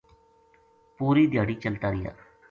پوری دھیاڑی چلتا رہیا